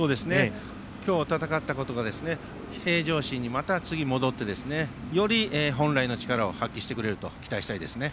今日戦ったことが平常心に、また次戻ってより本来の力を発揮してくれると期待したいですね。